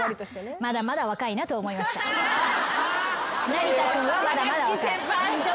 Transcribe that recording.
成田君はまだまだ若い。